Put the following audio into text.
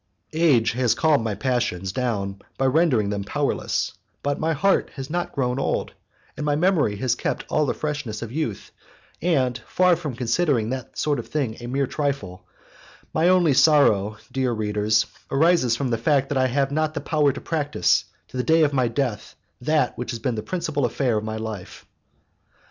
Age has calmed my passions down by rendering them powerless, but my heart has not grown old, and my memory has kept all the freshness of youth; and far from considering that sort of thing a mere trifle, my only sorrow, dear reader, arises from the fact that I have not the power to practise, to the day of my death, that which has been the principal affair of my life!